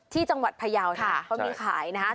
ที่จังหวัดพยาวค่ะเขามีขายนะฮะ